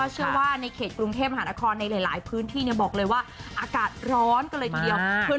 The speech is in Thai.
เพราะว่าในเขตกรุงเทพธรรมณฐคอนในหลายพื้นที่บอกเลยว่าอากาศร้อนก็เลยเยียม